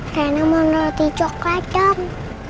rena mau roti coklat dong